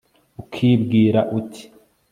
ukibwira uti